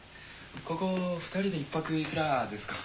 ここ２人で１ぱくいくらですか？